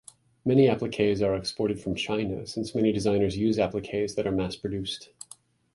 Many appliques are exported from China, since many designers use appliques that are mass-produced.